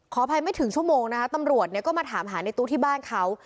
อภัยไม่ถึงชั่วโมงนะคะตำรวจก็มาถามหาในตู้ที่บ้านเขา